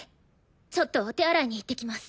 ちょっとお手洗いに行ってきます。